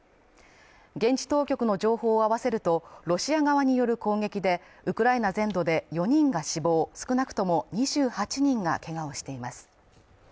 現地当局の情報を合わせると、ロシア側による攻撃でウクライナ全土で４人が死亡少なくとも２８人がけがをしています。